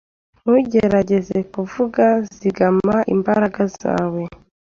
Ntugerageze kuvuga. Zigama imbaraga zawe.